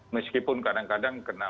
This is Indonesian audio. meskipun kadang kadang kena